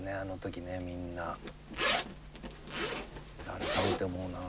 改めて思うな。